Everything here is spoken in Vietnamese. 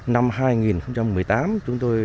năm hai nghìn một mươi tám chúng tôi